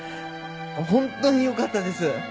ホントによかったです。